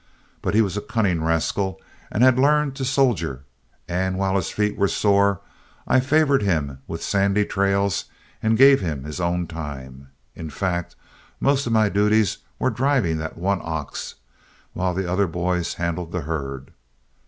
But he was a cunning rascal and had learned to soldier, and while his feet were sore, I favored him with sandy trails and gave him his own time. In fact, most of my duties were driving that one ox, while the other boys handled the herd.